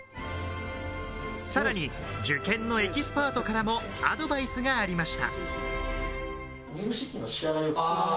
さらに、受験のエキスパートからもアドバイスがありました。